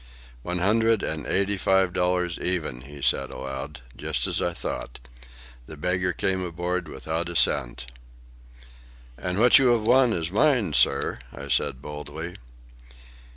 "One hundred and eighty five dollars even," he said aloud. "Just as I thought. The beggar came aboard without a cent." "And what you have won is mine, sir," I said boldly.